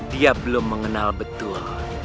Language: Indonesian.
dia belum mengenal betul